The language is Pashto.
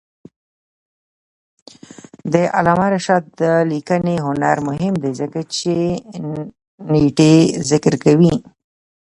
د علامه رشاد لیکنی هنر مهم دی ځکه چې نېټې ذکر کوي.